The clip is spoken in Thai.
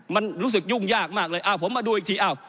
มันรู้สึกยุ่งยากมากเลยอ้าวผมมาดูอีกทีอ้าว